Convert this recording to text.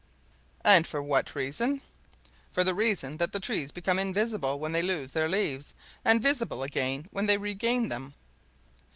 "And for what reason?" "For the reason that the trees become invisible when they lose their leaves, and visible again when they regain them."